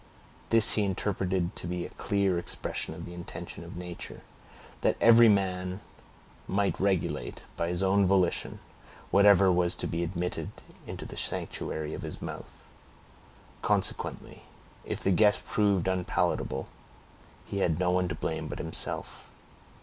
This he interpreted to be a clear expression of the intention of nature, that every man might regulate, by his own volition, whatever was to be admitted into the sanctuary of his mouth; consequently, if the guest proved unpalatable, he had no one to blame but himself.